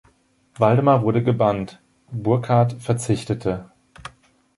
Waldemar wurde gebannt, Burchard verzichtete.